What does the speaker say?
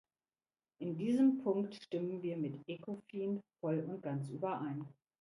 In diesem Punkt stimmen wir mit Ecofin voll und ganz überein.